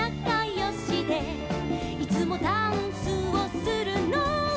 「いつもダンスをするのは」